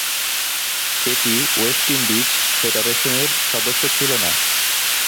এটি West Indies ফেডারেশনের সদস্য ছিল না।